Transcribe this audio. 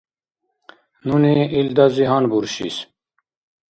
Нуни илдази гьанбуршис.